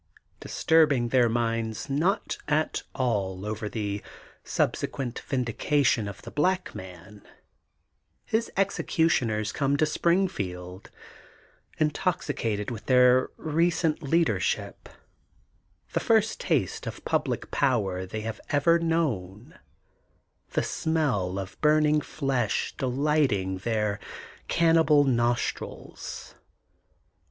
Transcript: Disturbing their minds not at all over the subsequent vindication of the black man, his executioners come to Spring field, intoxicated with their recent leadership, the first taste of public power they have ever known, the smell of buming flesh delighting their cannibal nostrils.